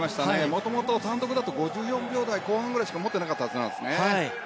もともと単独だと５４秒台後半しか持っていなかったはずなんですね。